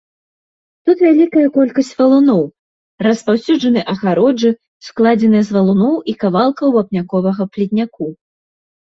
Тут вялікая колькасць валуноў, распаўсюджаны агароджы, складзеныя з валуноў і кавалкаў вапняковага плітняку.